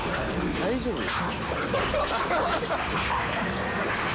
大丈夫です。